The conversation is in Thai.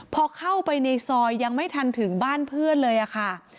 พอเข้าไปในซอยยังไม่ทันถึงบ้านเพื่อนเลยค่ะ